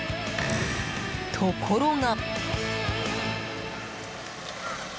ところが。